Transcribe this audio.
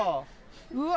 うわ。